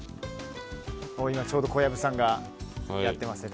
今ちょうど小藪さんがやっていますね。